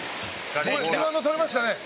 澤部：リバウンド取れましたね。